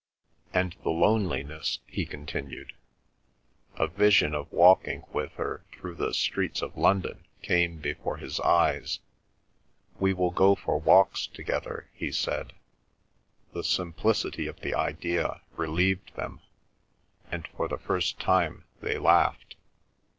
"And the loneliness!" he continued. A vision of walking with her through the streets of London came before his eyes. "We will go for walks together," he said. The simplicity of the idea relieved them, and for the first time they laughed.